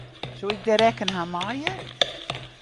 Soe ik de rekken ha meie?